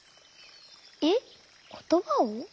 えっことばを？